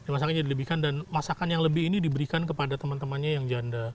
masaknya dilebihkan dan masakan yang lebih ini diberikan kepada teman temannya yang janda